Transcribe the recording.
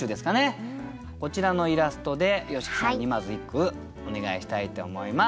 こちらのイラストで吉木さんにまず一句お願いしたいと思います。